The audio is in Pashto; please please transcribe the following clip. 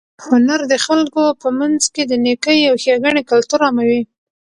هنر د خلکو په منځ کې د نېکۍ او ښېګڼې کلتور عاموي.